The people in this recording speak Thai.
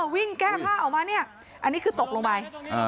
วิ่งแก้ผ้าออกมาเนี่ยอันนี้คือตกลงไป